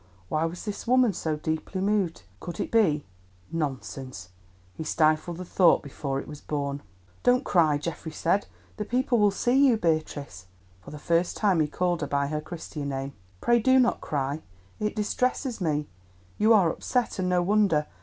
Why was this woman so deeply moved? Could it be——? Nonsense; he stifled the thought before it was born. "Don't cry," Geoffrey said, "the people will see you, Beatrice" (for the first time he called her by her christian name); "pray do not cry. It distresses me. You are upset, and no wonder.